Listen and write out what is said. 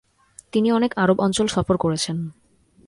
তিনি অনেক আরব অঞ্চল সফর করেছেন।